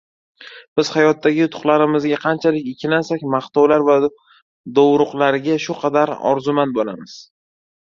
Biz hayotdagi yutuqlarimizga qanchalik ikkilansak, maqtovlar va dovruqlarga shu qadar orzumand bo‘lamiz.